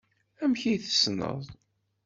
Amek ay t-tessned?